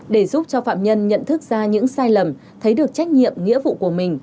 để giúp cho phạm nhân nhận thức ra những sai lầm thấy được trách nhiệm nghĩa vụ của mình